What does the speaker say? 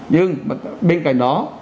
nhưng bên cạnh đó